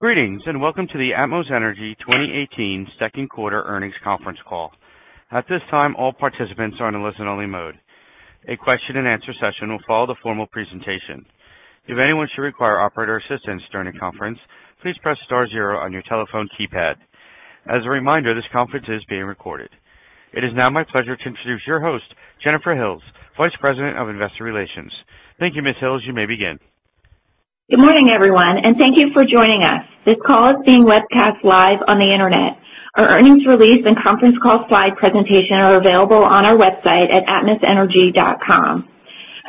Greetings. Welcome to the Atmos Energy 2018 second quarter earnings conference call. At this time, all participants are in listen-only mode. A question and answer session will follow the formal presentation. If anyone should require operator assistance during the conference, please press star zero on your telephone keypad. As a reminder, this conference is being recorded. It is now my pleasure to introduce your host, Jennifer Hills, Vice President of Investor Relations. Thank you, Ms. Hills. You may begin. Good morning, everyone. Thank you for joining us. This call is being webcast live on the Internet. Our earnings release and conference call slide presentation are available on our website at atmosenergy.com.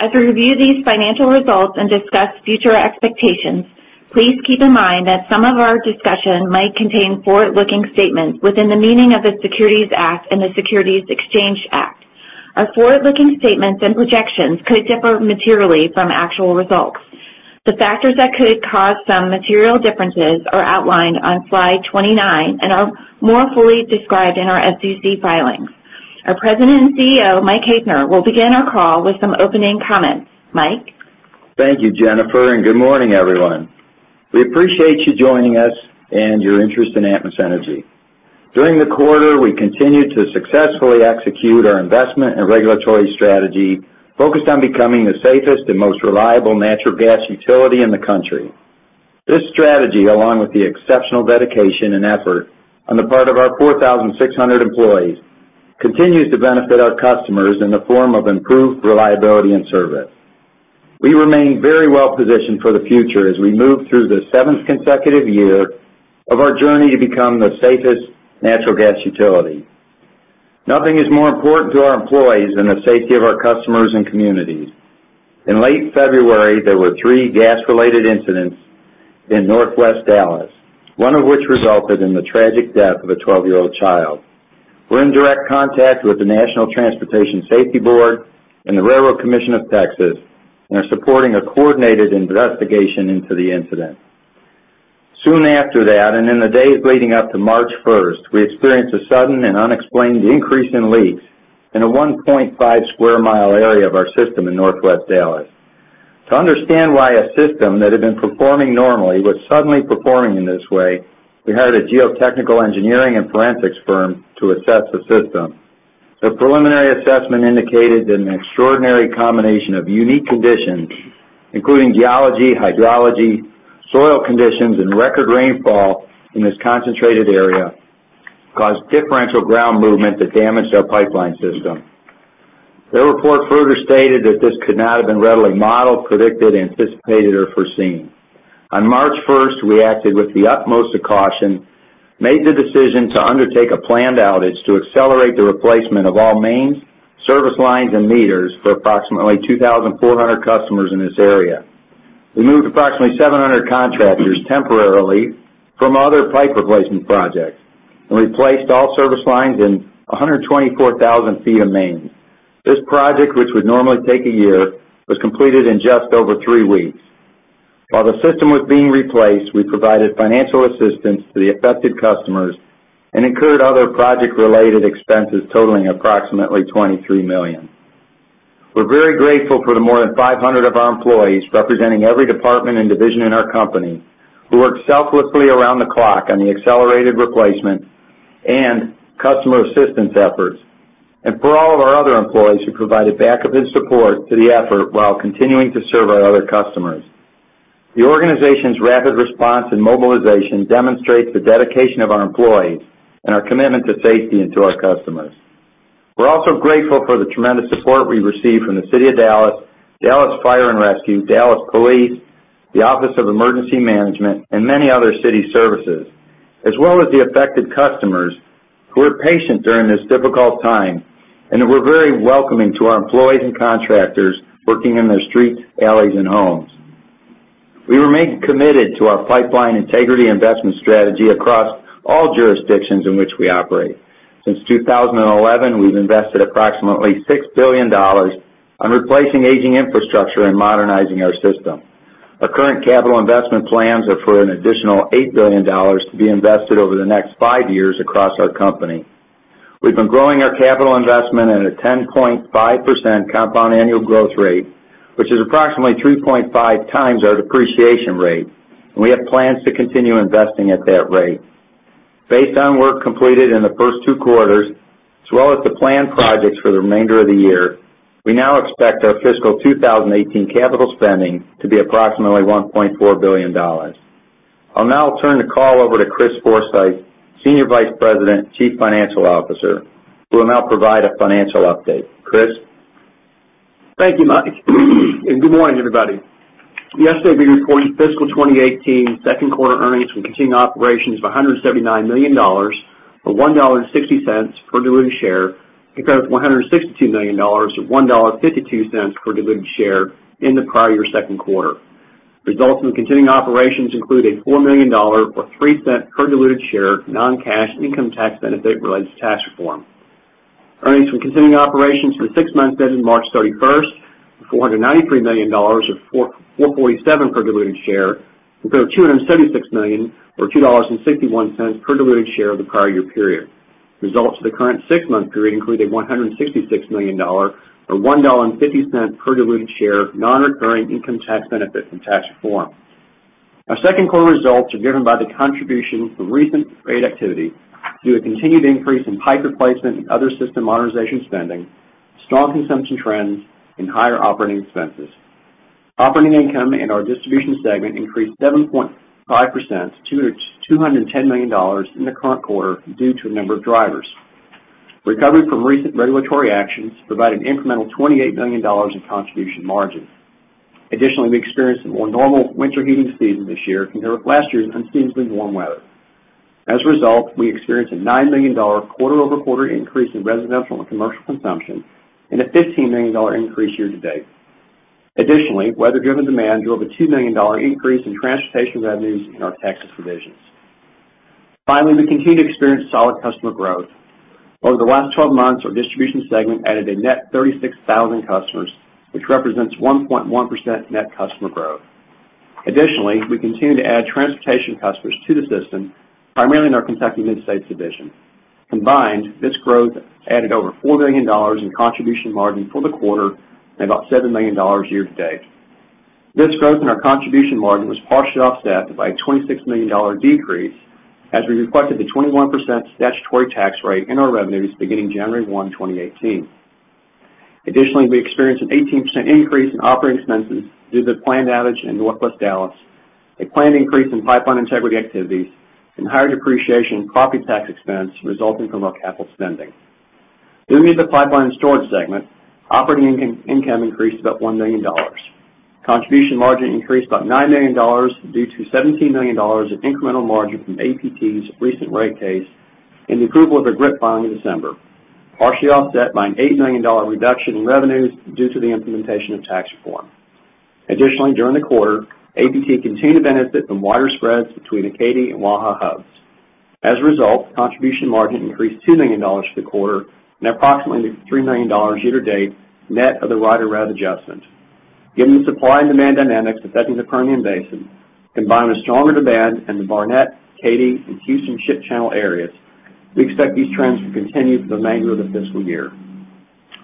As we review these financial results and discuss future expectations, please keep in mind that some of our discussion might contain forward-looking statements within the meaning of the Securities Act and the Securities Exchange Act. Our forward-looking statements and projections could differ materially from actual results. The factors that could cause some material differences are outlined on slide 29 and are more fully described in our SEC filings. Our President and CEO, Mike Haefner, will begin our call with some opening comments. Mike? Thank you, Jennifer. Good morning, everyone. We appreciate you joining us and your interest in Atmos Energy. During the quarter, we continued to successfully execute our investment and regulatory strategy focused on becoming the safest and most reliable natural gas utility in the country. This strategy, along with the exceptional dedication and effort on the part of our 4,600 employees, continues to benefit our customers in the form of improved reliability and service. We remain very well-positioned for the future as we move through the seventh consecutive year of our journey to become the safest natural gas utility. Nothing is more important to our employees than the safety of our customers and communities. In late February, there were three gas-related incidents in Northwest Dallas, one of which resulted in the tragic death of a 12-year-old child. We're in direct contact with the National Transportation Safety Board and the Railroad Commission of Texas, and are supporting a coordinated investigation into the incident. Soon after that, and in the days leading up to March 1st, we experienced a sudden and unexplained increase in leaks in a 1.5 square mile area of our system in Northwest Dallas. To understand why a system that had been performing normally was suddenly performing in this way, we hired a geotechnical engineering and forensics firm to assess the system. The preliminary assessment indicated an extraordinary combination of unique conditions, including geology, hydrology, soil conditions, and record rainfall in this concentrated area caused differential ground movement that damaged our pipeline system. Their report further stated that this could not have been readily modeled, predicted, anticipated, or foreseen. On March 1st, we acted with the utmost caution, made the decision to undertake a planned outage to accelerate the replacement of all mains, service lines, and meters for approximately 2,400 customers in this area. We moved approximately 700 contractors temporarily from other pipe replacement projects and replaced all service lines and 124,000 feet of mains. This project, which would normally take a year, was completed in just over three weeks. While the system was being replaced, we provided financial assistance to the affected customers and incurred other project-related expenses totaling approximately $23 million. We're very grateful for the more than 500 of our employees, representing every department and division in our company, who worked selflessly around the clock on the accelerated replacement and customer assistance efforts, and for all of our other employees who provided back-office support to the effort while continuing to serve our other customers. The organization's rapid response and mobilization demonstrates the dedication of our employees and our commitment to safety and to our customers. We're also grateful for the tremendous support we received from the City of Dallas Fire and Rescue, Dallas Police, the Office of Emergency Management, and many other city services, as well as the affected customers who were patient during this difficult time and who were very welcoming to our employees and contractors working in their streets, alleys, and homes. We remain committed to our pipeline integrity investment strategy across all jurisdictions in which we operate. Since 2011, we've invested approximately $6 billion on replacing aging infrastructure and modernizing our system. Our current capital investment plans are for an additional $8 billion to be invested over the next five years across our company. We've been growing our capital investment at a 10.5% compound annual growth rate, which is approximately 3.5 times our depreciation rate. We have plans to continue investing at that rate. Based on work completed in the first two quarters, as well as the planned projects for the remainder of the year, we now expect our fiscal 2018 capital spending to be approximately $1.4 billion. I'll now turn the call over to Chris Forsythe, Senior Vice President, Chief Financial Officer, who will now provide a financial update. Chris? Thank you, Mike. Good morning, everybody. Yesterday, we reported fiscal 2018 second quarter earnings from continuing operations of $179 million, or $1.60 per diluted share, compared to $162 million or $1.52 per diluted share in the prior year second quarter. Results from continuing operations include a $4 million, or $0.03 per diluted share, non-cash income tax benefit related to the Tax Cuts and Jobs Act. Earnings from continuing operations for the six months ended March 31st were $493 million, or $4.47 per diluted share, compared to $276 million or $2.61 per diluted share of the prior year period. Results for the current six-month period include a $166 million, or $1.50 per diluted share, non-recurring income tax benefit from tax reform. Our second quarter results are driven by the contribution from recent rate activity due to a continued increase in pipe replacement and other system modernization spending, strong consumption trends, and higher operating expenses. Operating income in our distribution segment increased 7.5% to $210 million in the current quarter due to a number of drivers. Recovery from recent regulatory actions provided incremental $28 million in contribution margin. Additionally, we experienced a more normal winter heating season this year compared with last year's unseasonably warm weather. As a result, we experienced a $9 million quarter-over-quarter increase in residential and commercial consumption and a $15 million increase year-to-date. Additionally, weather-driven demand drove a $2 million increase in transportation revenues in our Texas divisions. Finally, we continue to experience solid customer growth. Over the last 12 months, our distribution segment added a net 36,000 customers, which represents 1.1% net customer growth. Additionally, we continue to add transportation customers to the system, primarily in our Kentucky/Mid-States division. Combined, this growth added over $4 million in contribution margin for the quarter and about $7 million year-to-date. This growth in our contribution margin was partially offset by a $26 million decrease as we reflected the 21% statutory tax rate in our revenues beginning January 1, 2018. Additionally, we experienced an 18% increase in operating expenses due to the planned outage in Northwest Dallas, a planned increase in pipeline integrity activities, and higher depreciation and property tax expense resulting from our capital spending. Moving to the pipeline and storage segment, operating income increased about $1 million. Contribution margin increased about $9 million due to $17 million of incremental margin from APT's recent rate case and the approval of their GRIP filing in December, partially offset by an $8 million reduction in revenues due to the implementation of tax reform. Additionally, during the quarter, APT continued to benefit from wider spreads between Acadia and Waha hubs. As a result, contribution margin increased $2 million for the quarter and approximately $3 million year-to-date, net of the rider rev adjustment. Given the supply and demand dynamics affecting the Permian Basin, combined with stronger demand in the Barnett, Katy, and Houston Ship Channel areas, we expect these trends to continue for the remainder of the fiscal year.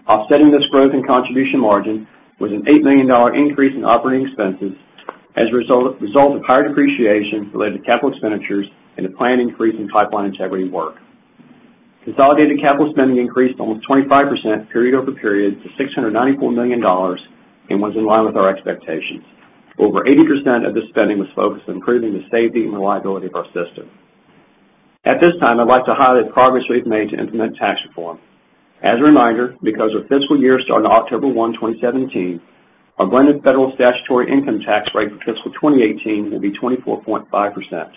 Offsetting this growth in contribution margin was an $8 million increase in operating expenses as a result of higher depreciation related to capital expenditures and a planned increase in pipeline integrity work. Consolidated capital spending increased almost 25% period-over-period to $694 million and was in line with our expectations. Over 80% of this spending was focused on improving the safety and reliability of our system. At this time, I'd like to highlight the progress we've made to implement tax reform. As a reminder, because our fiscal year started October 1, 2017, our blended federal statutory income tax rate for fiscal 2018 will be 24.5%.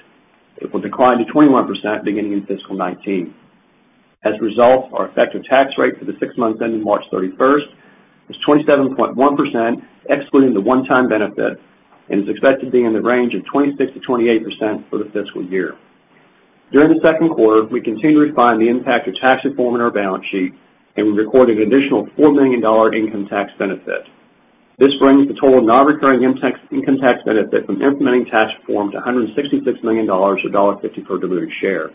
It will decline to 21% beginning in fiscal 2019. As a result, our effective tax rate for the six months ending March 31st was 27.1%, excluding the one-time benefit, and is expected to be in the range of 26%-28% for the fiscal year. During the second quarter, we continued to refine the impact of tax reform on our balance sheet, and we recorded an additional $4 million income tax benefit. This brings the total non-recurring income tax benefit from implementing tax reform to $166 million, or $1.50 per diluted share.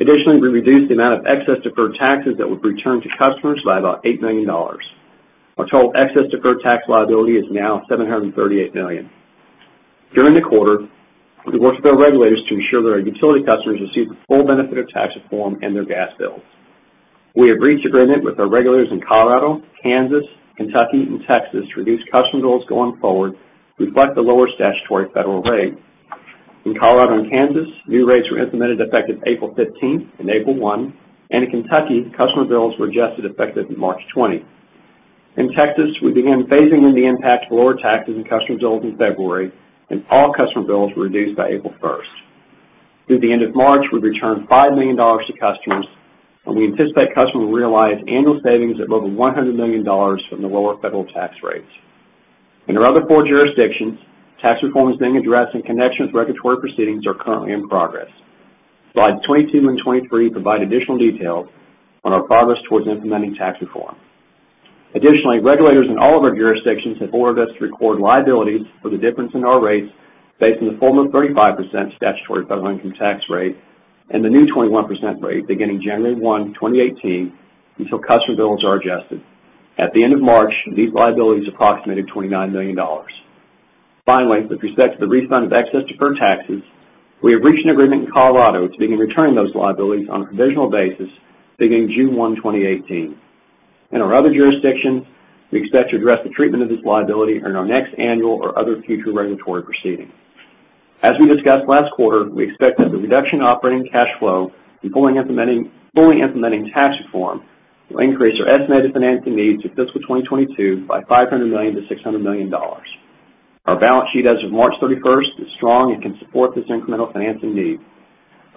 Additionally, we reduced the amount of excess deferred taxes that were returned to customers by about $8 million. Our total excess deferred tax liability is now $738 million. During the quarter, we worked with our regulators to ensure that our utility customers receive the full benefit of tax reform in their gas bills. We have reached agreement with our regulators in Colorado, Kansas, Kentucky, and Texas to reduce customer bills going forward to reflect the lower statutory federal rate. In Colorado and Kansas, new rates were implemented effective April 15th and April 1st. In Kentucky, customer bills were adjusted effective March 20th. In Texas, we began phasing in the impact of lower taxes in customer bills in February, and all customer bills were reduced by April 1st. Through the end of March, we've returned $5 million to customers. We anticipate customers will realize annual savings of over $100 million from the lower federal tax rates. In our other four jurisdictions, tax reform is being addressed, in connection with regulatory proceedings are currently in progress. Slides 22 and 23 provide additional detail on our progress towards implementing tax reform. Additionally, regulators in all of our jurisdictions have ordered us to record liabilities for the difference in our rates based on the former 35% statutory federal income tax rate and the new 21% rate beginning January 1, 2018, until customer bills are adjusted. At the end of March, these liabilities approximated $29 million. Finally, with respect to the refund of excess deferred taxes, we have reached an agreement in Colorado to begin returning those liabilities on a provisional basis beginning June 1, 2018. In our other jurisdictions, we expect to address the treatment of this liability in our next annual or other future regulatory proceeding. As we discussed last quarter, we expect that the reduction in operating cash flow from fully implementing tax reform will increase our estimated financing needs through fiscal 2022 by $500 million to $600 million. Our balance sheet as of March 31st is strong and can support this incremental financing need.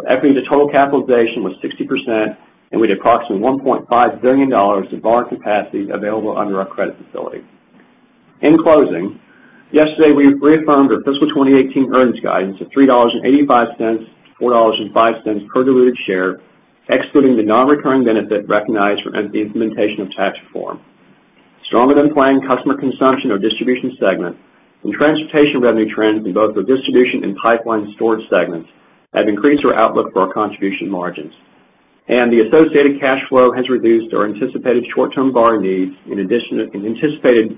Our equity to total capitalization was 60%. We had approximately $1.5 billion of borrowing capacity available under our credit facility. In closing, yesterday we reaffirmed our fiscal 2018 earnings guidance of $3.85 to $4.05 per diluted share, excluding the non-recurring benefit recognized from the implementation of tax reform. Stronger-than-planned customer consumption of distribution segment and transportation revenue trends in both the distribution and pipeline storage segments have increased our outlook for our contribution margins. The associated cash flow has reduced our anticipated short-term borrowing needs in addition to anticipated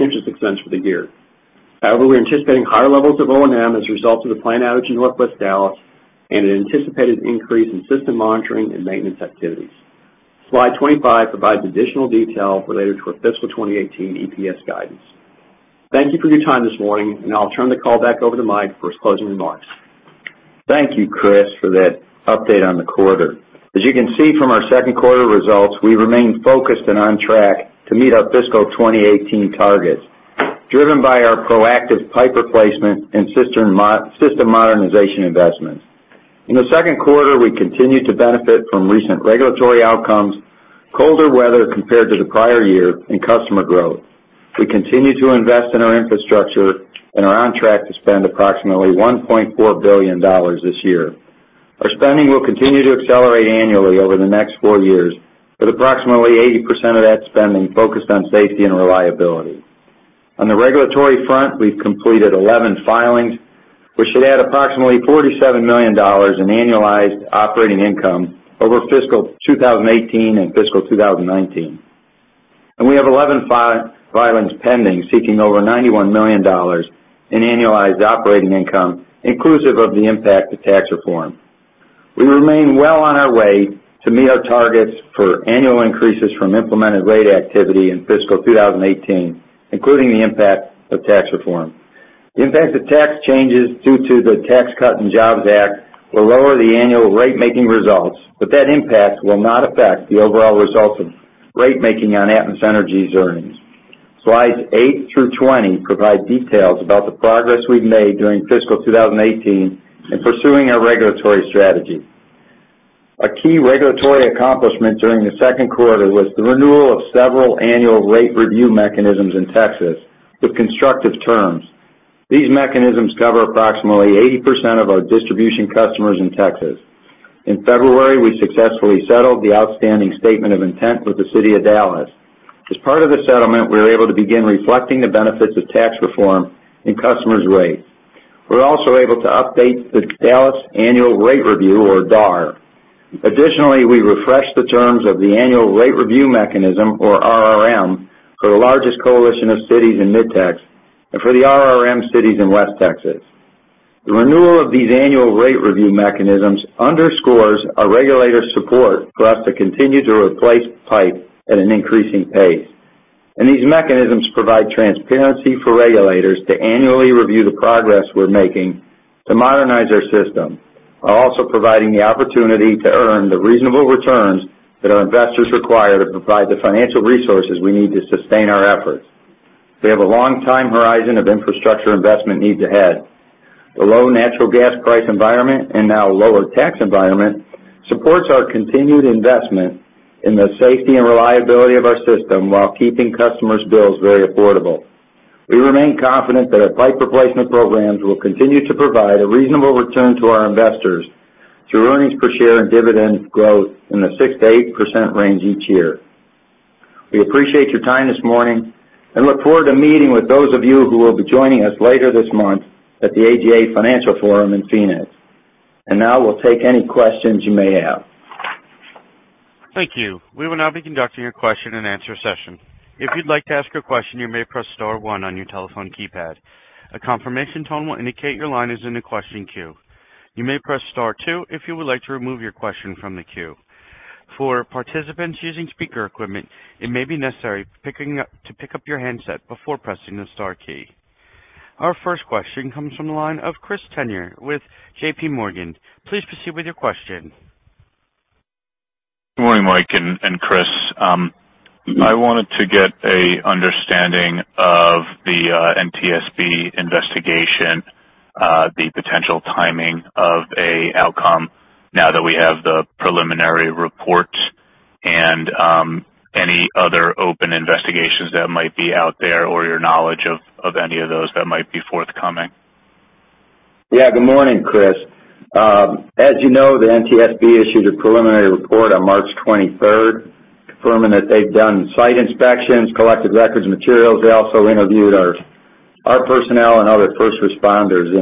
interest expense for the year. However, we're anticipating higher levels of O&M as a result of the planned outage in Northwest Dallas and an anticipated increase in system monitoring and maintenance activities. Slide 25 provides additional detail related to our fiscal 2018 EPS guidance. Thank you for your time this morning. I'll turn the call back over to Mike for his closing remarks. Thank you, Chris, for that update on the quarter. As you can see from our second quarter results, we remain focused and on track to meet our fiscal 2018 targets, driven by our proactive pipe replacement and system modernization investments. In the second quarter, we continued to benefit from recent regulatory outcomes, colder weather compared to the prior year, and customer growth. We continue to invest in our infrastructure and are on track to spend approximately $1.4 billion this year. Our spending will continue to accelerate annually over the next four years, with approximately 80% of that spending focused on safety and reliability. On the regulatory front, we've completed 11 filings, which should add approximately $47 million in annualized operating income over fiscal 2018 and fiscal 2019. We have 11 filings pending, seeking over $91 million in annualized operating income, inclusive of the impact of tax reform. We remain well on our way to meet our targets for annual increases from implemented rate activity in fiscal 2018, including the impact of tax reform. The impact of tax changes due to the Tax Cuts and Jobs Act will lower the annual ratemaking results, but that impact will not affect the overall results of ratemaking on Atmos Energy's earnings. Slides eight through 20 provide details about the progress we've made during fiscal 2018 in pursuing our regulatory strategy. A key regulatory accomplishment during the second quarter was the renewal of several annual rate review mechanisms in Texas with constructive terms. These mechanisms cover approximately 80% of our distribution customers in Texas. In February, we successfully settled the outstanding statement of intent with the City of Dallas. As part of the settlement, we were able to begin reflecting the benefits of tax reform in customers' rates. We were also able to update the Dallas Annual Rate Review, or DAR. Additionally, we refreshed the terms of the annual rate review mechanism, or RRM, for the largest coalition of cities in Mid-Tex and for the RRM cities in West Texas. The renewal of these annual rate review mechanisms underscores our regulators' support for us to continue to replace pipe at an increasing pace. These mechanisms provide transparency for regulators to annually review the progress we're making to modernize our system, while also providing the opportunity to earn the reasonable returns that our investors require to provide the financial resources we need to sustain our efforts. We have a long time horizon of infrastructure investment needs ahead. The low natural gas price environment, and now lower tax environment, supports our continued investment in the safety and reliability of our system while keeping customers' bills very affordable. We remain confident that our pipe replacement programs will continue to provide a reasonable return to our investors through earnings per share and dividend growth in the 6%-8% range each year. We appreciate your time this morning and look forward to meeting with those of you who will be joining us later this month at the AGA Financial Forum in Phoenix. Now we'll take any questions you may have. Thank you. We will now be conducting a question and answer session. If you'd like to ask a question, you may press star one on your telephone keypad. A confirmation tone will indicate your line is in the question queue. You may press star two if you would like to remove your question from the queue. For participants using speaker equipment, it may be necessary to pick up your handset before pressing the star key. Our first question comes from the line of Chris Turnure with JPMorgan. Please proceed with your question. Good morning, Mike and Chris. I wanted to get an understanding of the NTSB investigation, the potential timing of an outcome now that we have the preliminary report and any other open investigations that might be out there or your knowledge of any of those that might be forthcoming. Yeah. Good morning, Chris. As you know, the NTSB issued a preliminary report on March 23rd, confirming that they've done site inspections, collected records and materials. They also interviewed our personnel and other first responders.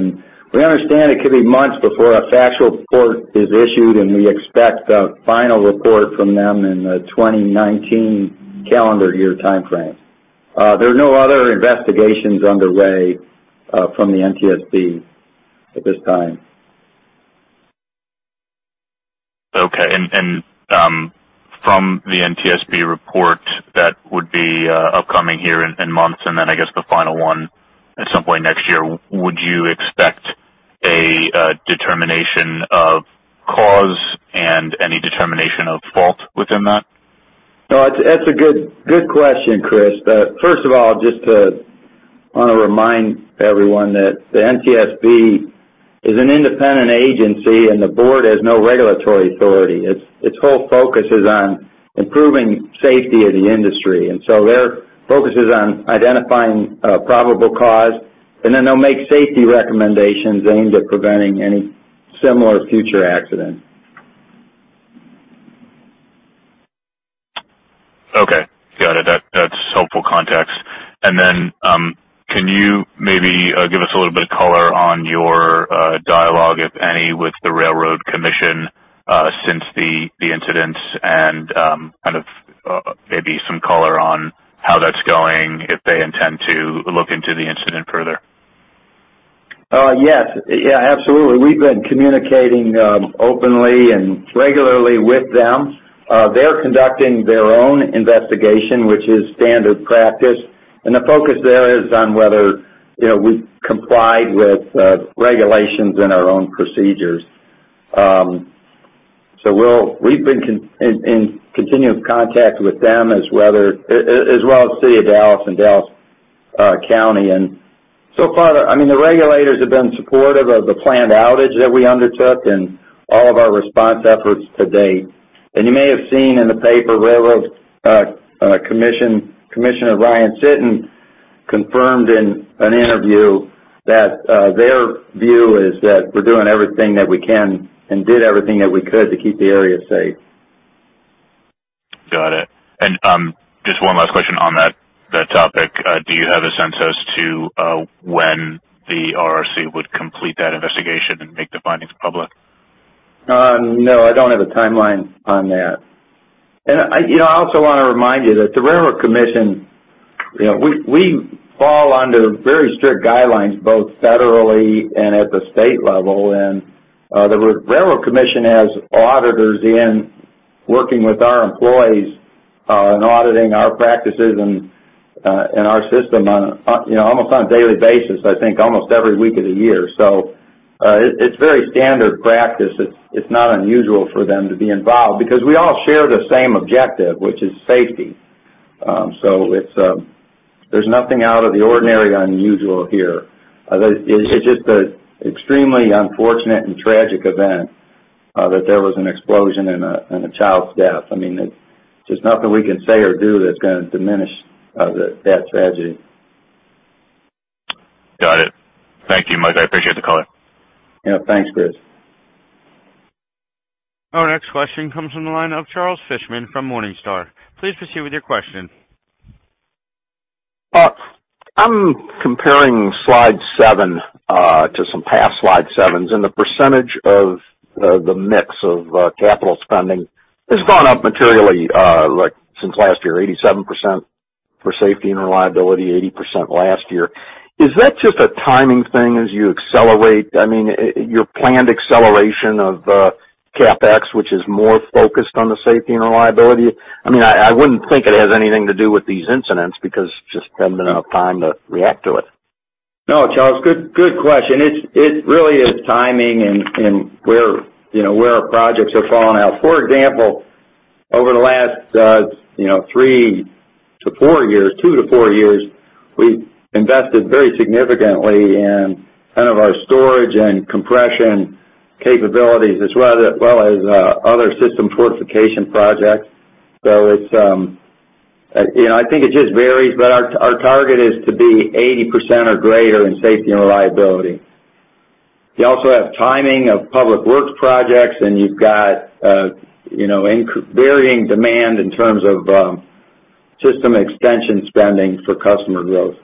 We understand it could be months before a factual report is issued, and we expect a final report from them in the 2019 calendar year timeframe. There are no other investigations underway from the NTSB at this time. Okay. From the NTSB report that would be upcoming here in months, and then I guess the final one at some point next year, would you expect a determination of cause and any determination of fault within that? That's a good question, Chris. First of all, I want to remind everyone that the NTSB is an independent agency, and the board has no regulatory authority. Its whole focus is on improving safety of the industry. Their focus is on identifying a probable cause, then they'll make safety recommendations aimed at preventing any similar future accident. Okay. Got it. That's helpful context. Can you maybe give us a little bit of color on your dialogue, if any, with the Railroad Commission since the incidents and maybe some color on how that's going, if they intend to look into the incident further? Yes. Yeah, absolutely. We've been communicating openly and regularly with them. They're conducting their own investigation, which is standard practice, the focus there is on whether we've complied with regulations and our own procedures. We've been in continued contact with them, as well as the City of Dallas and Dallas County. So far, the regulators have been supportive of the planned outage that we undertook and all of our response efforts to date. You may have seen in the paper, Railroad Commissioner Ryan Sitton confirmed in an interview that their view is that we're doing everything that we can and did everything that we could to keep the area safe. Got it. Just one last question on that topic. Do you have a sense as to when the RRC would complete that investigation and make the findings public? No, I don't have a timeline on that. I also want to remind you that the Railroad Commission, we fall under very strict guidelines, both federally and at the state level. The Railroad Commission has auditors in working with our employees and auditing our practices and our system almost on a daily basis, I think almost every week of the year. It's very standard practice. It's not unusual for them to be involved because we all share the same objective, which is safety. There's nothing out of the ordinary unusual here. It's just an extremely unfortunate and tragic event that there was an explosion and a child's death. There's nothing we can say or do that's going to diminish that tragedy. Got it. Thank you, Mike. I appreciate the call. Yeah. Thanks, Chris. Our next question comes from the line of Charles Fishman from Morningstar. Please proceed with your question. I'm comparing slide seven to some past slide sevens. The percentage of the mix of capital spending has gone up materially since last year, 87% for safety and reliability, 80% last year. Is that just a timing thing as you accelerate? Your planned acceleration of CapEx, which is more focused on the safety and reliability. I wouldn't think it has anything to do with these incidents because there just hasn't been enough time to react to it. No, Charles. Good question. It really is timing and where our projects are falling out. For example, over the last three to four years, two to four years, we invested very significantly in our storage and compression capabilities, as well as other system fortification projects. I think it just varies, but our target is to be 80% or greater in safety and reliability. You also have timing of public works projects, you've got varying demand in terms of system extension spending for customer growth.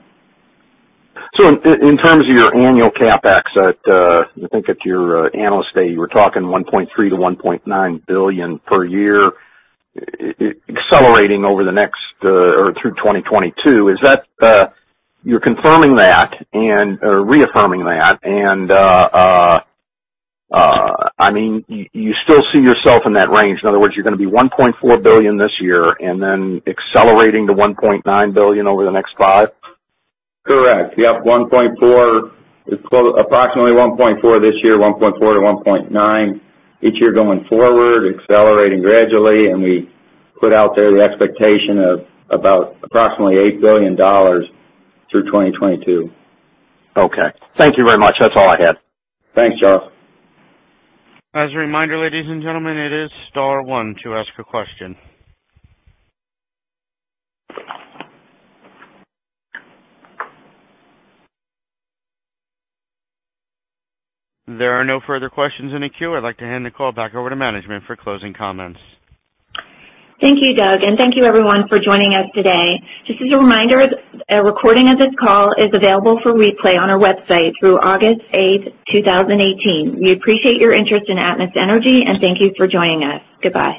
In terms of your annual CapEx, I think at your Analyst Day, you were talking $1.3 billion-$1.9 billion per year accelerating through 2022. You're confirming that or reaffirming that, you still see yourself in that range. In other words, you're going to be $1.4 billion this year and then accelerating to $1.9 billion over the next five? Correct. Yep. Approximately $1.4 this year, $1.4-$1.9 each year going forward, accelerating gradually. We put out there the expectation of about approximately $8 billion through 2022. Okay. Thank you very much. That's all I had. Thanks, Charles. As a reminder, ladies and gentlemen, it is star one to ask a question. There are no further questions in the queue. I'd like to hand the call back over to management for closing comments. Thank you, Doug. Thank you everyone for joining us today. Just as a reminder, a recording of this call is available for replay on our website through August eighth, 2018. We appreciate your interest in Atmos Energy. Thank you for joining us. Goodbye